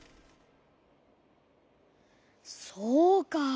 そうか。